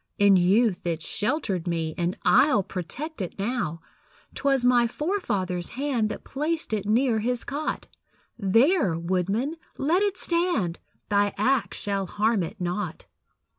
In youth it sheltered me, And I'll protect it now. 'Twas my forefather's hand That placed it near his cot; There, woodman, let it stand, Thy axe shall harm it not.